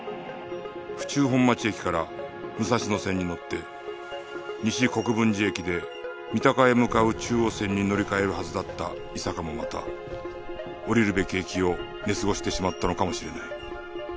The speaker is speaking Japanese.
府中本町駅から武蔵野線に乗って西国分寺駅で三鷹へ向かう中央線に乗り換えるはずだった伊坂もまた降りるべき駅を寝過ごしてしまったのかもしれない